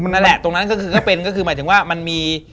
นั่นแหละตรงนั้นก็คือก็เป็นก็คือหมายถึงว่ามันมี